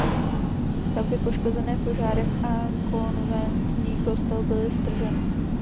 Stavby poškozené požárem a konventní kostel byly strženy.